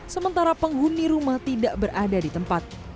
sementara penghuni rumah tidak berada di tempat